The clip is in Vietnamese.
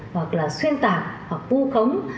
hoặc là xuyên tạc hoặc vu khống